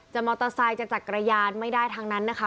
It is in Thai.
มอเตอร์ไซค์จะจักรยานไม่ได้ทั้งนั้นนะคะ